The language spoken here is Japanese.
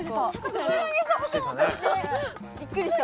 びっくりした。